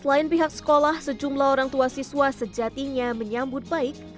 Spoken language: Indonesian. selain pihak sekolah sejumlah orang tua siswa sejatinya menyambut baik